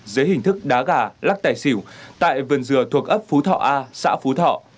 dưới hình thức đá gà lắc tài xỉu tại vườn dừa thuộc ấp phú thọ a xã phú thọ